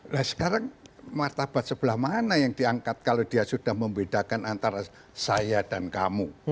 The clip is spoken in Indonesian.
nah sekarang martabat sebelah mana yang diangkat kalau dia sudah membedakan antara saya dan kamu